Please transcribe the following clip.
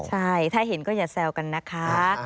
ใช่ถ้าเห็นก็อย่าแซวกันนะคะ